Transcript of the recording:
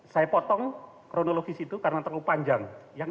saya potong kronologis itu karena terlalu panjang